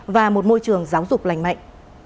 và một môi trường giáo dục lành mạnh